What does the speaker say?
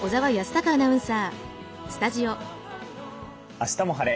「あしたも晴れ！